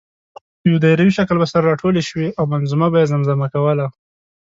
په یو دایروي شکل به سره راټولې شوې او منظومه به یې زمزمه کوله.